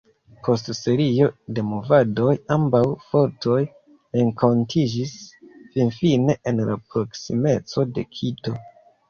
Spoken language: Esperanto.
Post serio da movadoj, ambaŭ fortoj renkontiĝis finfine en la proksimeco de Kito.